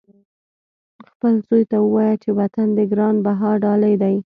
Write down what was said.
خپل زوی ته ووایه چې وطن دې ګران بها ډالۍ دی.